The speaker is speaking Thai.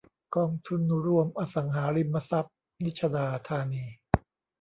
กองทุนรวมอสังหาริมทรัพย์นิชดาธานี